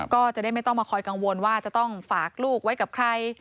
ก็จะได้ไม่ต้องมาคอยกังวลว่าจะต้องฝากลูกไว้กับใคร